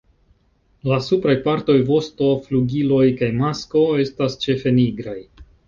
La supraj partoj, vosto, flugiloj kaj masko estas ĉefe nigraj.